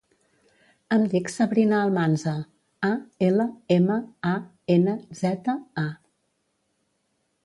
Em dic Sabrina Almanza: a, ela, ema, a, ena, zeta, a.